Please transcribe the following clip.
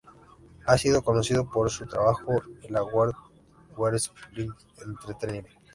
Han sido conocidos por su trabajo en la World Wrestling Entertainment.